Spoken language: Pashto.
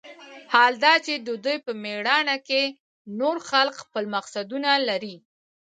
حال دا چې د دوى په مېړانه کښې نور خلق خپل مقصدونه لري.